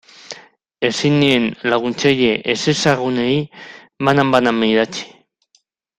Ezin nien laguntzaile ezezagunei banan-banan idatzi.